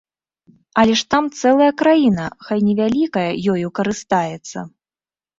Але ж там цэлая краіна, хай невялікая, ёю карыстаецца.